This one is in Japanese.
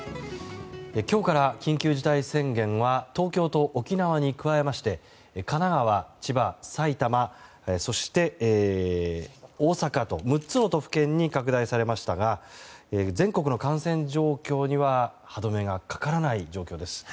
今日から緊急事態宣言は東京と沖縄に加えまして神奈川、千葉、埼玉そして大阪と６つの都府県に拡大されましたが全国の感染状況には歯止めがかからない状況です。